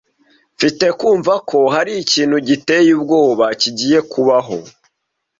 Mfite kumva ko hari ikintu giteye ubwoba kigiye kubaho.